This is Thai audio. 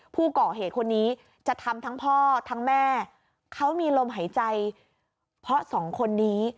ผู้ก่อเหตุคนนี้จะทำทั้งพ่อทั้งแม่เขามีลมหายใจเพราะสองคนนี้